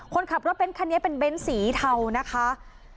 คนขับรถเบ้นคันนี้เป็นเน้นสีเทานะคะ